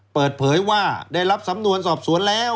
เปิดเผยว่าได้รับสำนวนสอบสวนแล้ว